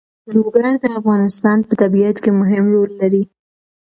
لوگر د افغانستان په طبیعت کې مهم رول لري.